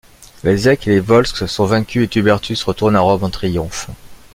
Les Èques et les Volsques sont vaincus et Tubertus retourne à Rome en triomphe.